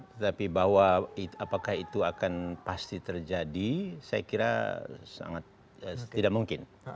tetapi bahwa apakah itu akan pasti terjadi saya kira sangat tidak mungkin